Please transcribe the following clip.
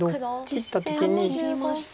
切った時に。